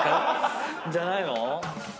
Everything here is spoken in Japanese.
じゃないの？